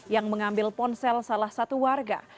yang mengambil ponsel salah satu warga